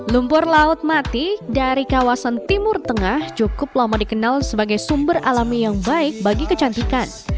lumpur laut mati dari kawasan timur tengah cukup lama dikenal sebagai sumber alami yang baik bagi kecantikan